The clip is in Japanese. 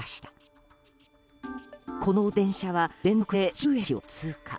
この電車は連続で１０駅を通過。